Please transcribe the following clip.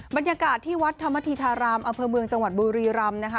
บรรยากาศที่วัดธรรมธีธารามอำเภอเมืองจังหวัดบุรีรำนะคะ